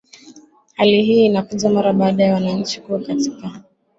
hali hii inakuja mara baada ya wananchi kuwa katika